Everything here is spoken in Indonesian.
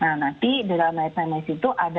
nah nanti dalam mnk itu ada empat belas